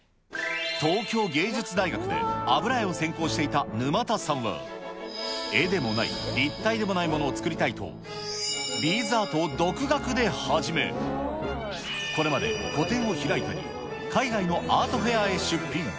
東京藝術大学で油絵を専攻していた沼田さんは、絵でもない、立体でもないものを作りたいと、ビーズアートを独学で始め、これまで個展を開いたり、海外のアートフェアへ出品。